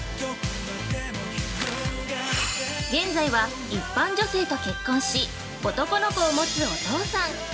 現在は一般女性と結婚し、男の子を持つお父さん。